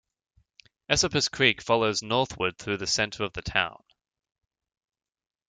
Esopus Creek flows northward through the center of the town.